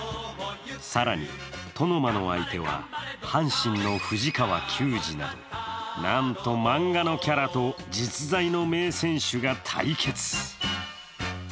更に、殿馬の相手は阪神の藤川球児などなんと漫画のキャラと実在の名選手が対決。